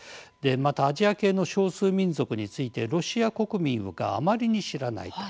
またアジア系の少数民族についてロシア国民があまりに知らないと。